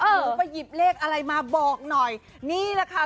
หนูไปหยิบเลขอะไรมาบอกหน่อยนี่แหละค่ะ